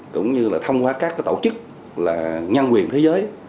cũng như là thông qua các tổ chức là nhân quyền thế giới